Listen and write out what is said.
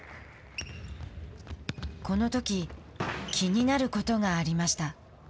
このとき気になることがありました。